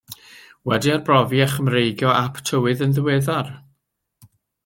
Wedi arbrofi a chymreigio ap tywydd yn ddiweddar.